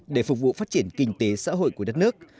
để phục vụ phát triển kinh tế xã hội của đất nước